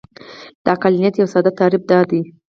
د عقلانیت یو ساده تعریف دا دی.